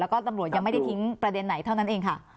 แล้วก็ตำรวจยังไม่ได้ทิ้งประเด็นไหนเท่านั้นเองค่ะ